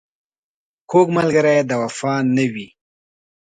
کوږ ملګری د وفا نه وي